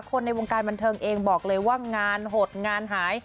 ในวงการบันเทิงเองบอกเลยว่างานหดงานหาย